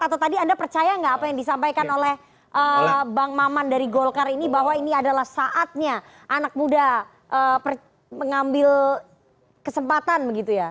atau tadi anda percaya nggak apa yang disampaikan oleh bang maman dari golkar ini bahwa ini adalah saatnya anak muda mengambil kesempatan begitu ya